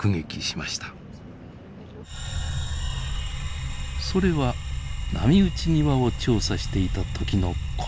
それは波打ち際を調査していた時のこと。